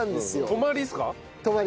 泊まりっすか？